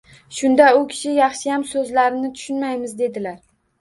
Shunda u kishi: – “Yaxshiyam so’zlarini tushunmaymiz”-dedilar.